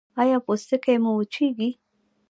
ایا پوستکی مو وچیږي؟